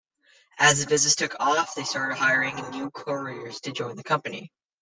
As the business took off, they started hiring new couriers to join the company.